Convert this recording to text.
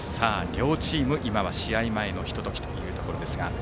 両チーム、試合前のひと時というところです。